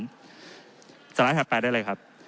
สไลด์ถัดไปได้เลยครับ